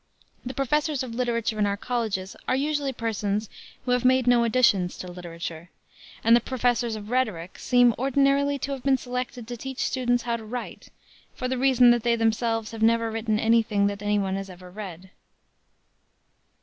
The professors of literature in our colleges are usually persons who have made no additions to literature, and the professors of rhetoric seem ordinarily to have been selected to teach students how to write, for the reason that they themselves have never written any thing that any one has ever read.